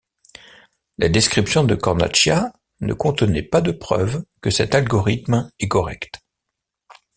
La description de Cornacchia ne contenait pas de preuve que cet algorithme est correct.